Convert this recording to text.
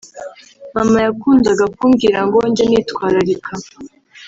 Mama yakundaga kumbwira ngo njye nitwararika